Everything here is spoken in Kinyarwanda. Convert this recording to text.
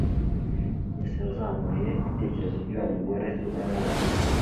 Yesu yazamuye ibitekerezo by'uwo mugore wamwumvaga